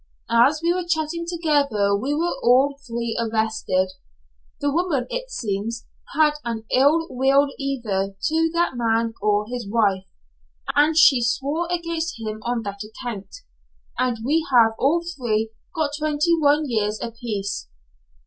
As we were chatting together we were all three arrested. The woman, it seems, had an ill will either to that man or his wife, and she swore against him on that account. And we have all three got twenty one years a piece."